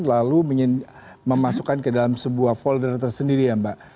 lalu memasukkan ke dalam sebuah folder tersendiri ya mbak